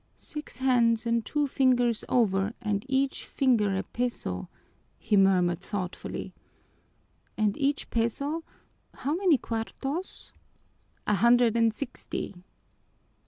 "Six hands and two fingers over and each finger a peso!" he murmured thoughtfully. "And each peso, how many cuartos?" "A hundred and sixty."